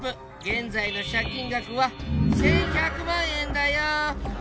現在の借金額は１１００万円だよ。